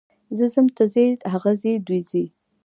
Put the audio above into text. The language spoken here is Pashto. زه ځم، ته ځې، هغه ځي، دوی ځي.